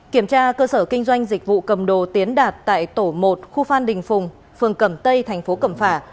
kiểm tra cơ sở kinh doanh dịch vụ cầm đồ tiến đạt tại tổ một khu phan đình phùng phường cẩm tây thành phố cẩm phả